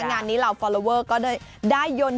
ตอนนี้เหล่าฟอร์ลัวก็ได้โดดยนต์